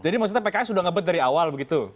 jadi maksudnya pks sudah ngebet dari awal begitu